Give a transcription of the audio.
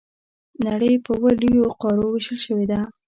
نړۍ په اووه لویو قارو وېشل شوې ده.